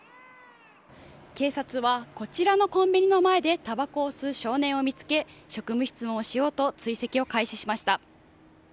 警察はこちらのコンビニの前でたばこを吸う少年を見つけ職務質問しようと追跡を開始しました。